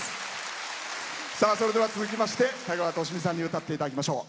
続きまして田川寿美さんに歌っていただきましょう。